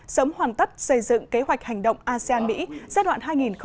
sớm hoàn tất xây dựng kế hoạch hành động asean mỹ giai đoạn hai nghìn hai mươi hai nghìn hai mươi năm